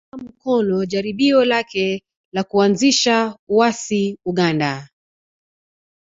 Aliunga mkono jaribio lake la kuanzisha uasi Uganda